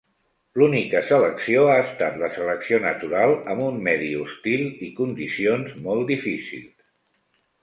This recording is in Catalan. L'única selecció ha estat la selecció natural amb un medi hostil i condicions molt difícils.